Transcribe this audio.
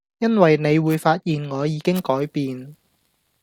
因為你會發現我已經改變